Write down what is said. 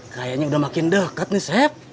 kayaknya udah makin dekat nih chef